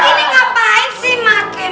ini ngapain sih maken